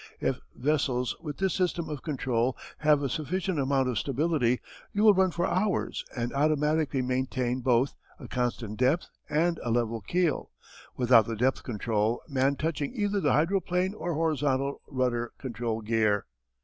If vessels with this system of control have a sufficient amount of stability, you will run for hours and automatically maintain both a constant depth and a level keel, without the depth control man touching either the hydroplane or horizontal rudder control gear.